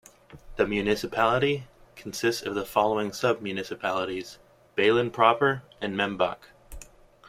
The municipality consists of the following sub-municipalities: Baelen proper and Membach.